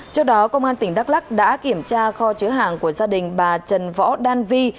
trước đó công an tỉnh đắk lắc đã kiểm tra kho chứa hàng của gia đình bà trần võ đan vi